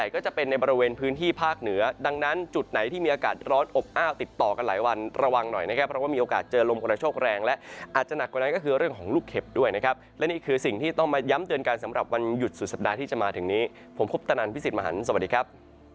ก็จะหนักกว่านั้นก็คือเรื่องของลูกเข็บด้วยนะครับและนี่คือสิ่งที่ต้องมาย้ำเตือนการสำหรับวันหยุดสุดสัปดาห์ที่จะมาถึงนี้ผมครบตนันพิสิทธิ์มหันฯสวัสดีครับ